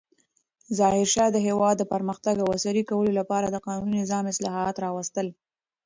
ظاهرشاه د هېواد د پرمختګ او عصري کولو لپاره د قانوني نظام اصلاحات راوستل.